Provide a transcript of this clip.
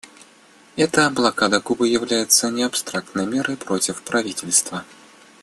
Эта блокада Кубы является не абстрактной мерой против правительства.